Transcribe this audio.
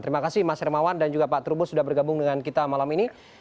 terima kasih mas hermawan dan juga pak trubus sudah bergabung dengan kita malam ini